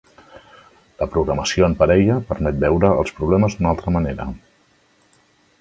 La programació en parella permet veure els problemes d'una altra manera.